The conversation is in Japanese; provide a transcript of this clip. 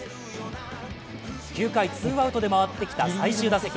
９回ツーアウトで回ってきた最終打席。